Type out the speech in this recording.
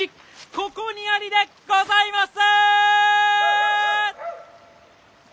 ここにありでございます！